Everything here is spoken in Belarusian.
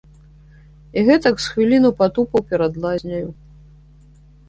І гэтак з хвіліну патупаў перад лазняю.